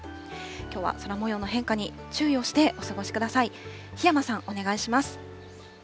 きょうは空もようの変化に注意をしてお過ごしください。